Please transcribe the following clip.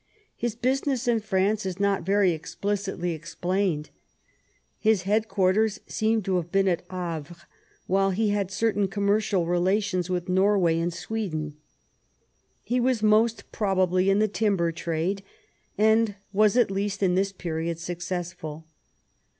His business in France is not very explicitly explained. His head quarters seem to have been at Havre, while he had certain commercial relations with Norway and Sweden. He was most probably in the timber trade, and was, at least at this period, successful.